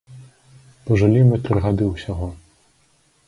Пажылі мы тры гады ўсяго.